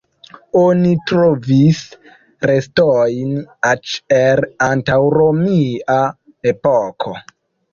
Oni trovis restojn eĉ el antaŭromia epoko.